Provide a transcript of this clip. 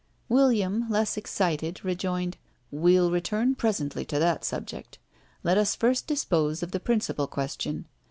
William, less excited, rejoined: "We'll return presently to that subject. Let us first dispose of the principal question.